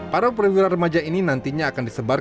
para perwira remaja ini nantinya akan disebar